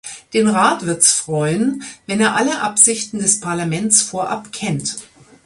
Den Rat wird's freuen, wenn er alle Absichten des Parlaments vorab kennt.